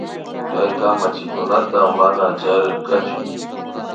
Kay kamachikunata mana charirkachu